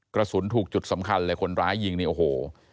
กระสุนถูกจุดสำคัญเลยคนร้ายยิงเนี่ยโอ้โห